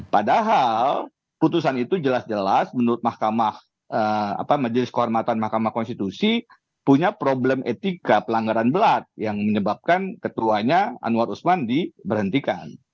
padahal putusan itu jelas jelas menurut mahkamah majelis kehormatan mahkamah konstitusi punya problem etika pelanggaran berat yang menyebabkan ketuanya anwar usman diberhentikan